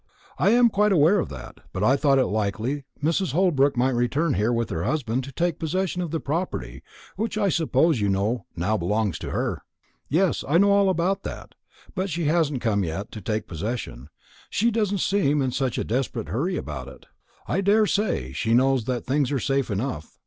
"I am quite aware of that; but I thought it likely Mrs. Holbrook might return here with her husband, to take possession of the property, which I suppose you know now belongs to her." "Yes, I know all about that; but she hasn't come yet to take possession; she doesn't seem in such a desperate hurry about it. I daresay she knows that things are safe enough.